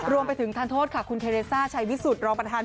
รวมไปถึงทานโทษค่ะคุณเทเลซ่าชัยวิสุทธิรองประธาน